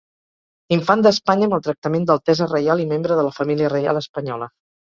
Infant d'Espanya amb el tractament d'altesa reial i membre de la Família Reial espanyola.